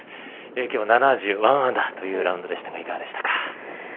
きょう７１アンダーというラウンドでしたがいかがでしたか。